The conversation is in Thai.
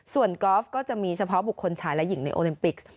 ส่วนกอล์ฟก็จะมีเฉพาะบุคคลชายและหญิงในโอลิมปิก